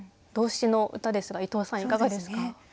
動詞の歌ですが伊藤さんいかがですか？